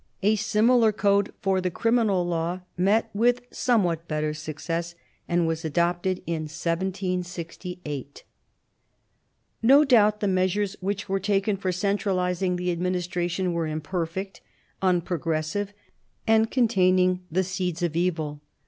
A similar code for the criminal law met with somewhat better success, and was adopted in 1768. No doubt the measures which were taken for centralising the administration were imperfect, unpro gressive, and containing the seeds of evil.